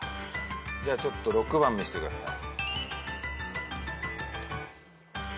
ちょっと６番見してください。